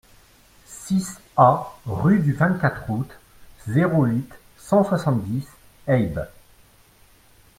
six A rue du vingt-quatre Août, zéro huit, cent soixante-dix, Haybes